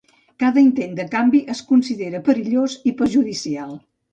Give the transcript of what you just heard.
Cada intent de canvi es considera perillós i perjudicial.